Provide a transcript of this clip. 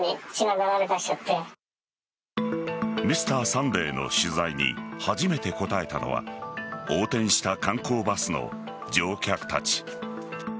「Ｍｒ．サンデー」の取材に初めて答えたのは横転した観光バスの乗客たち。